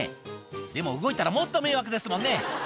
でも動いたらもっと迷惑ですもんね。